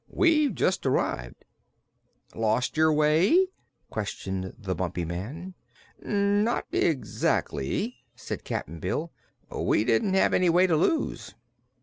"We've just arrived." "Lost your way?" questioned the Bumpy Man. "Not exactly," said Cap'n Bill. "We didn't have any way to lose."